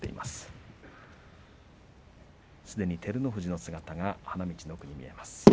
すでに照ノ富士の姿が花道の奥に見えます。